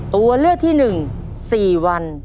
ตัวเลือกที่๑๔วัน